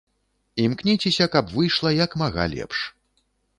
Імкніцеся, каб выйшла як мага лепш.